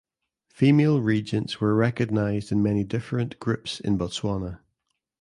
Female regents were recognised in many different groups in Botswana.